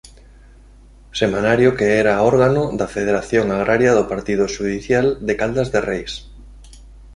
Semanario que era órgano da Federación Agraria do Partido Xudicial de Caldas de Reis.